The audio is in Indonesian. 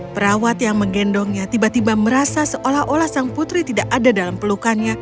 perawat yang menggendongnya tiba tiba merasa seolah olah sang putri tidak ada dalam pelukannya